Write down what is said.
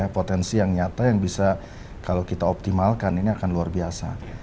potensi yang nyata yang bisa kalau kita optimalkan ini akan luar biasa